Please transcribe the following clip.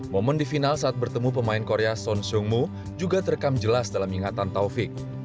momen di final saat bertemu pemain korea son sung moo juga terekam jelas dalam ingatan taufik